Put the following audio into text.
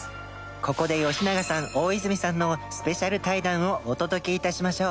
ここで吉永さん大泉さんのスペシャル対談をお届け致しましょう。